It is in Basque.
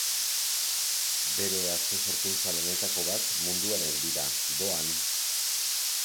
Bere azken sorkuntza lanetako bat Munduaren bira, doan!